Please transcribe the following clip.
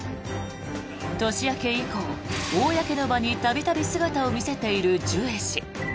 年明け以降、公の場に度々姿を見せているジュエ氏。